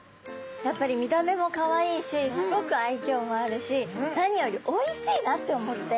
やっぱり見た目もかわいいしスゴくあいきょうもあるし何よりおいしいなと思って。